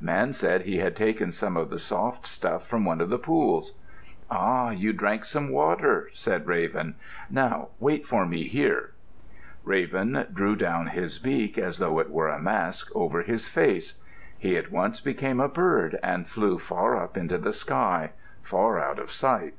Man said he had taken some of the soft stuff from one of the pools. "Ah, you drank some water," said Raven. "Now wait for me here." Raven drew down his beak, as though it were a mask, over his face. He at once became a bird and flew far up into the sky far out of sight.